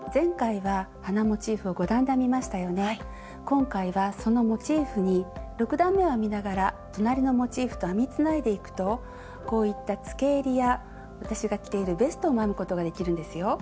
今回はそのモチーフに６段めを編みながら隣のモチーフと編みつないでいくとこういったつけえりや私が着ているベストも編むことができるんですよ。